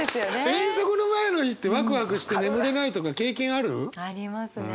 遠足の前の日ってワクワクして眠れないとか経験ある？ありますね。